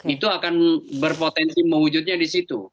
itu akan berpotensi mewujudnya di situ